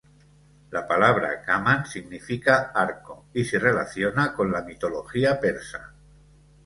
La palabra 'Kaman' significa arco y se relaciona con la mitología persa.